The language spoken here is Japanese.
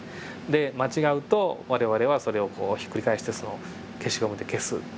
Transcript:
で間違うと我々はそれをひっくり返して消しゴムで消す。